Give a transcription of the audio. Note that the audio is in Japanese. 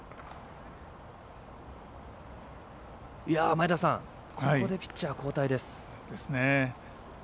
前田さん、ここでピッチャー交代です。